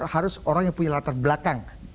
harus orang yang punya latar belakang